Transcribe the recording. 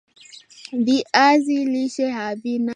viazi lishe havina rehemu ni mbaya kwa afya